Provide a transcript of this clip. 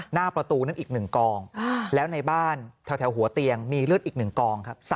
หน้าประตูนั้นอีก๑กองแล้วในบ้านแถวหัวเตียงมีเลือดอีก๑กองครับ